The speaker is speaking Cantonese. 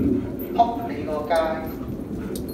仆你個街